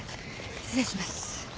失礼します。